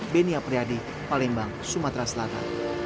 benia priadi palembang sumatera selatan